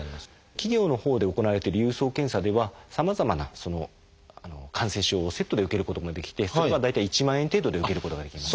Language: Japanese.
企業のほうで行われてる郵送検査ではさまざまな感染症をセットで受けることもできてそれが大体１万円程度で受けることができます。